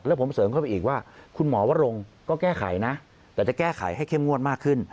แล้วผมเสริมเข้าไปอีกว่าคุณหมอวรงก็แก้ไขนะแต่จะแก้ไขให้เข้มงวดมากขึ้น